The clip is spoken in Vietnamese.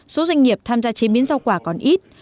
số doanh nghiệp tham gia chế biến rau quả còn ít